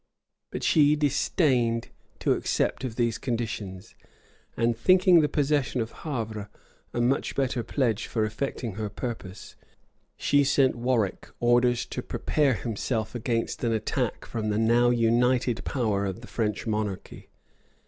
But she disdained to accept of these conditions; and thinking the possession of Havre a much better pledge for effecting her purpose, she sent Warwick orders to prepare himself against an attack from the now united power of the French monarchy.